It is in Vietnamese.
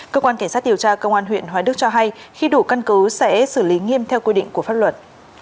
cơ quan cảnh sát điều tra công an huyện hoài đức cho hay khi đủ căn cứ sẽ xử lý nghiêm theo quy định của pháp luật